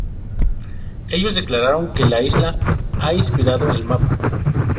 Ellos declararon que la isla ha inspirado el mapa.